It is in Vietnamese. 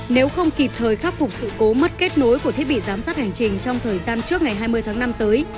nếu không kịp thời khắc phục sự cố mất kết nối của thiết bị giám sát hành trình trong thời gian trước ngày hai mươi tháng năm tới